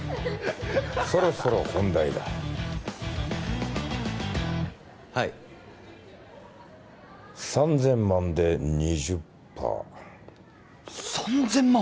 そろそろ本題だはい３０００万で２０パー３０００万！？